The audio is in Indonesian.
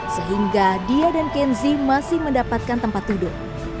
sehingga dia dan kenzi masih mendapatkan tempat duduk